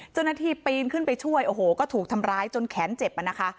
เจุนนาทีปีนขึ้นไปช่วยโอ้โหก็ถูกทำร้ายจนแขนเจ็บมานะคะ